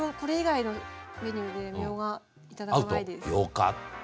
よかった。